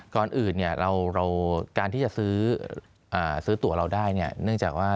ก่อนอื่นการที่จะซื้อตัวเราได้เนี่ยเนื่องจากว่า